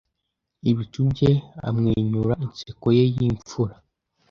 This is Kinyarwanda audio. ibicu bye amwenyura inseko ye yimfura